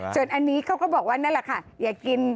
จนอันนี้เขาก็บอกว่านั่นแหละค่ะ